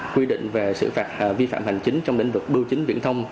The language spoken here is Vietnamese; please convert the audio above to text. quy định về sự vi phạm hành chính trong lĩnh vực bưu chính viện thông